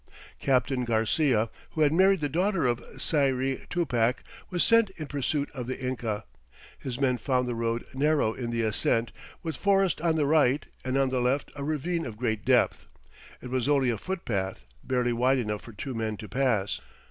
Captain Garcia, who had married the daughter of Sayri Tupac, was sent in pursuit of the Inca. His men found the road "narrow in the ascent, with forest on the right, and on the left a ravine of great depth." It was only a footpath, barely wide enough for two men to pass.